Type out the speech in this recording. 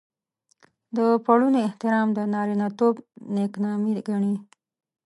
د پړوني احترام د نارينه توب نېکنامي ګڼي.